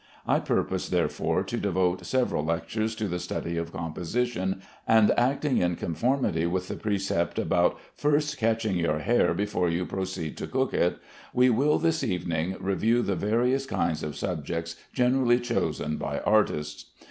I purpose, therefore, to devote several lectures to the study of composition, and acting in conformity with the precept about "first catching your hare before you proceed to cook it," we will this evening review the various kinds of subjects generally chosen by artists.